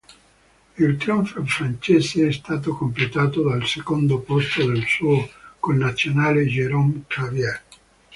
Il trionfo francese è stato completato dal secondo posto del suo connazionale Jérôme Clavier.